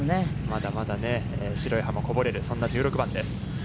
まだまだ白い歯もこぼれる、そんな１６番。